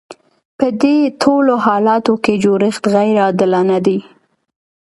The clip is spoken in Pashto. په دې ټولو حالاتو کې جوړښت غیر عادلانه دی.